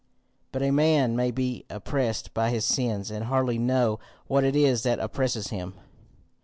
"But a man may be oppressed by his sins, and hardly know what it is that oppresses him.